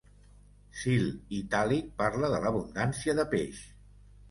Sil Itàlic parla de l'abundància de peix.